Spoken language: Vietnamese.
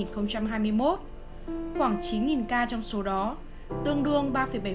khoảng chín ca trong số đó tương đương ba bảy